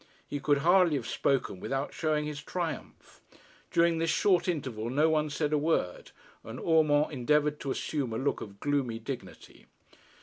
He could hardly have spoken without showing his triumph. During this short interval no one said a word, and Urmand endeavoured to assume a look of gloomy dignity.